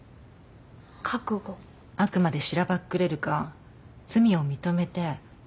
あくまでしらばっくれるか罪を認めて頭を下げるか。